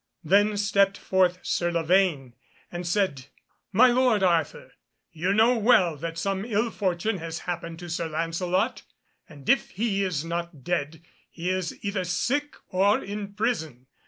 Then stepped forth Sir Lavaine and said, "My lord Arthur, you know well that some ill fortune has happened to Sir Lancelot, and if he is not dead, he is either sick or in prison.